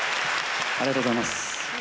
ありがとうございます。